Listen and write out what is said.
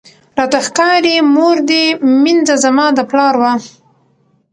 راته ښکاری مور دي مینځه زما د پلار وه